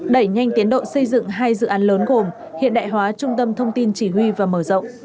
đẩy nhanh tiến độ xây dựng hai dự án lớn gồm hiện đại hóa trung tâm thông tin chỉ huy và mở rộng